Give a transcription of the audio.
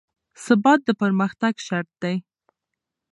ثبات د پرمختګ شرط دی